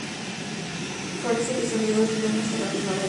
Florece desde mediados de invierno hasta la primavera.